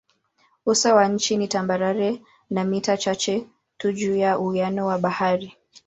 Uso wa nchi ni tambarare na mita chache tu juu ya uwiano wa bahari.